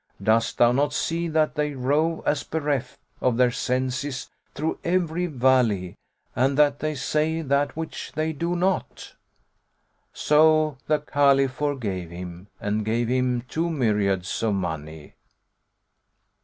dost thou not see that they rove as bereft of their senses through every valley and that they say that which they do not?'"[FN#110] So the Caliph forgave him and gave him two myriads of money.